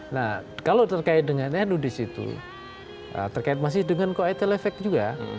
nah kalau terkait dengan nu di situ terkait masih dengan koetel efek juga